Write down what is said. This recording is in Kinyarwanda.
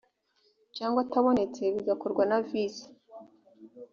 cyangwa atabonetse bigakorwa na visi